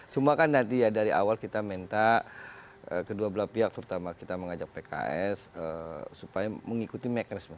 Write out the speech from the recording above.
cuma kan nanti ya dari awal kita minta kedua belah pihak terutama kita mengajak pks supaya mengikuti mekanisme